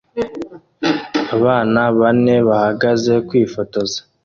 Abana bane bahagaze kwifotoza